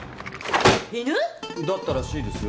犬？だったらしいですよ。